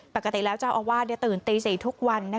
ปกติแล้วเจ้าอาวาสตื่นตี๔ทุกวัน